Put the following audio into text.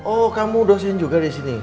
oh kamu dosen juga disini